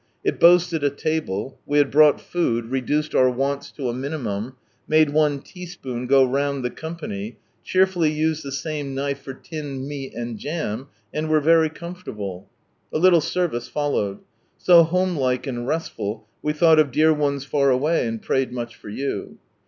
It boasted a table, we had brought food, reduced our wants lo a mininaum, made one teaspoon go round the company, cheerfully used the same knife for tinned meat and jam, and were very comfortable. A little service followed. So homelike and restful, we thought of dear ones far away, and prayed much for you.